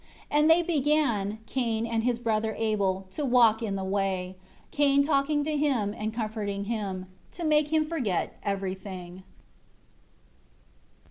39 And they began, Cain and his brother Abel, to walk in the way; Cain talking to him, and comforting him, to make him forget everything.